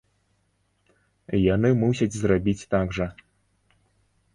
Яны мусяць зрабіць так жа.